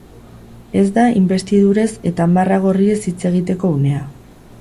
Ez da inbestidurez eta marra gorriez hitz egiteko unea.